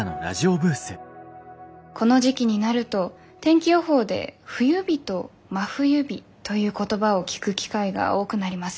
この時期になると天気予報で冬日と真冬日という言葉を聞く機会が多くなります。